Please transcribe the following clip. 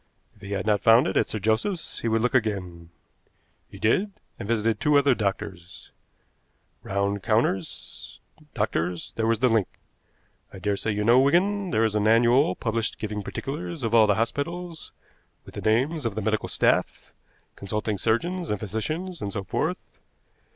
If he had not found it at Sir Joseph's he would look again. He did, and visited two other doctors. Round counters doctors. There was the link. I daresay you know, Wigan, there is an annual published giving particulars of all the hospitals, with the names of the medical staff, consulting surgeons and physicians, and so forth.